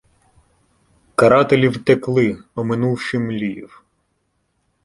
Карателі втекли, оминувши Мліїв.